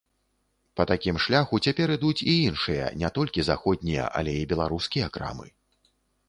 Па такім шляху цяпер ідуць і іншыя не толькі заходнія, але і беларускія крамы.